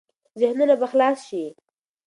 ذهنونه به خلاص شي.